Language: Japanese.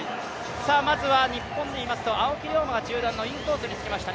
まずは日本でいいますと青木涼真が中断のインコースに入りました。